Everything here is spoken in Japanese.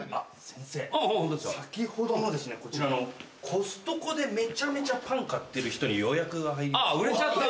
先ほどのですねこちらの「コストコでめちゃめちゃパン買ってる人」に予約が入りました。